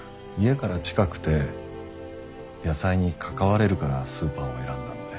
家から近くて野菜に関われるからスーパーを選んだんで。